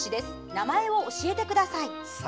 名前を教えてください。